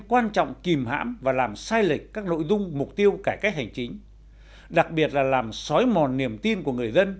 quan trọng kìm hãm và làm sai lệch các nội dung mục tiêu cải cách hành chính đặc biệt là làm sói mòn niềm tin của người dân